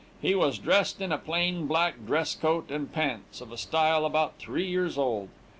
He was dressed in a plain black dress coat and pants, of a style about three years old.